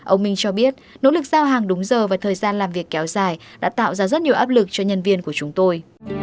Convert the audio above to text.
ông minh cho biết nỗ lực giao hàng đúng giờ và thời gian làm việc kéo dài đã tạo ra rất nhiều áp lực cho nhân viên của chúng tôi